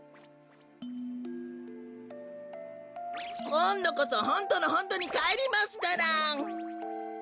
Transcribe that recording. こんどこそホントのホントにかえりますから。